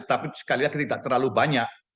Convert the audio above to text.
tapi sekalian tidak terlalu banyak